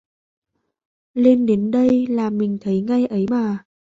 Lên đến gần đây là mình thấy ngay ấy mà